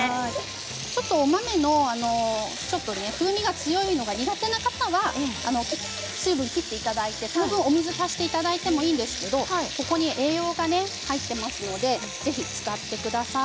お豆の風味が強いのが苦手な方は水分を切っていただいてその分、お水を足していただいてもいいんですけれどもここに栄養が入っていますのでぜひ使ってください。